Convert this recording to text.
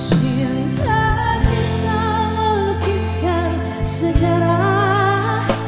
cinta kita melukiskan sejarah